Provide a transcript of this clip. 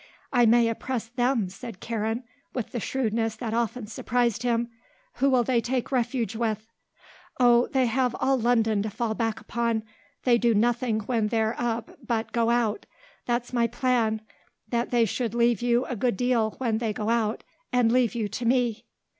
"I may oppress them," said Karen, with the shrewdness that often surprised him. "Who will they take refuge with?" "Oh, they have all London to fall back upon. They do nothing when they're up but go out. That's my plan; that they should leave you a good deal when they go out, and leave you to me."